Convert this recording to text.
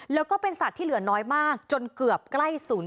แล้วก็เป็นสัตว์ที่เหลือน้อยมากจนเกือบใกล้ศูนย์